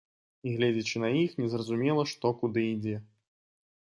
І гледзячы на іх, не зразумела, што куды ідзе.